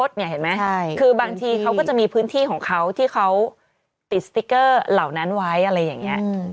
เนี่ยและหุงของพุกเนี่ยบรรพุธแกะสติกเกอร์ไหว่อะไรอย่างนี้